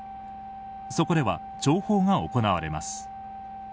そこでは弔砲が行われます。